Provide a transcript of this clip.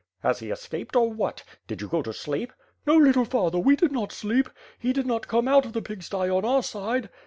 Has he escaped, or what? Did you go to sleep?" "No, little father, we did not sleep. He did not come out of the pig sty on our side."